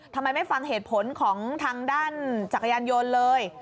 ทำไมไม่ฟังเหตุผลของทางด้านจักรยานยนต์เลย